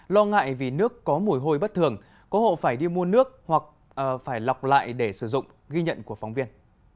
lo ngại vì nước có mùi hôi bất thường có hộ phải đi mua nước hoặc phải lọc lại để sử dụng ghi nhận của phóng viên